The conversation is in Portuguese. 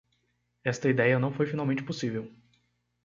Esta ideia não foi finalmente possível.